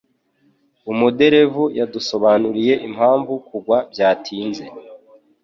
Umuderevu yadusobanuriye impamvu kugwa byatinze.